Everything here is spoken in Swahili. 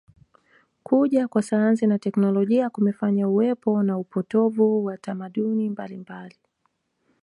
Kuja kwa sayansi na teknolojia kumefanya uwepo na upotovu wa tamaduni mbalimbali